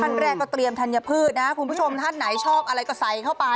ท่านแรกก็เตรียมธัญพืชนะคุณผู้ชมท่านไหนชอบอะไรก็ใส่เข้าไป